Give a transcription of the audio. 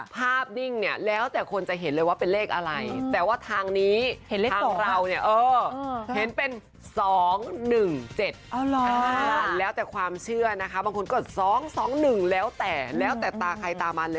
ภาพดิ้งเนี่ยแล้วแต่คนจะเห็นเลยว่าเป็นเลขอะไร